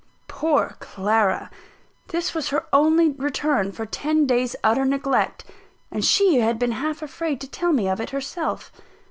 Poor Clara! This was her only return for ten days' utter neglect and she had been half afraid to tell me of it herself.